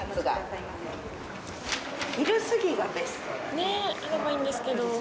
ねあればいいんですけど。